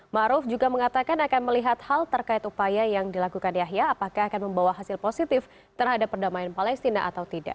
⁇ maruf ⁇ juga mengatakan akan melihat hal terkait upaya yang dilakukan yahya apakah akan membawa hasil positif terhadap perdamaian palestina atau tidak